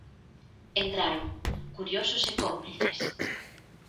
Entraron, curiosos e cómplices.